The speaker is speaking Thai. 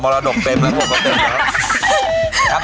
อ๋อมรดกเต็มแล้วก็เต็มแล้ว